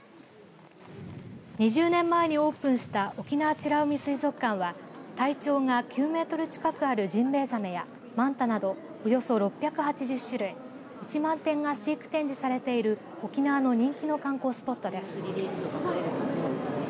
２０年前にオープンした沖縄美ら海水族館は体長が９メートル近くあるジンベエザメやマンタなど、およそ６８０種類１万点が飼育展示されている沖縄の人気の観光スポットです。